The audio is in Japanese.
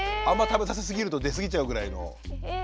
あんま食べさせすぎると出過ぎちゃうぐらいの。